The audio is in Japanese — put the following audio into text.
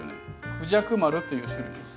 孔雀丸という種類です。